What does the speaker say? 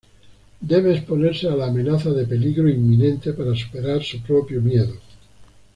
Debe exponerse a la amenaza de peligro inminente para superar su propio miedo.